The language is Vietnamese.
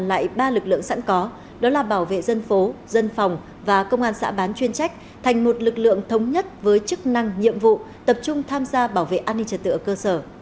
lại ba lực lượng sẵn có đó là bảo vệ dân phố dân phòng và công an xã bán chuyên trách thành một lực lượng thống nhất với chức năng nhiệm vụ tập trung tham gia bảo vệ an ninh trật tự ở cơ sở